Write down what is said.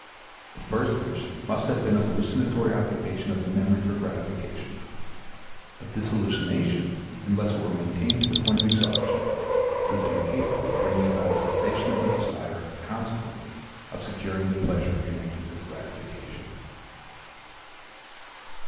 The first wish must have been an hallucinatory occupation of the memory for gratification. But this hallucination, unless it were maintained to the point of exhaustion, proved incapable of bringing about a cessation of the desire and consequently of securing the pleasure connected with gratification.